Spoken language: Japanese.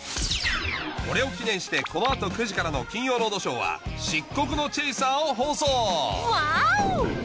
これを記念してこの後９時からの『金曜ロードショー』は『漆黒の追跡者』を放送ワオ！